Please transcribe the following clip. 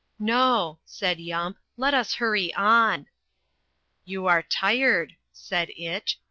"No," said Yump, "let us hurry on." "You are tired," said Itch.